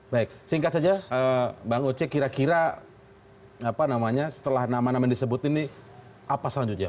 baik singkat saja bang oce kira kira setelah nama nama yang disebut ini apa selanjutnya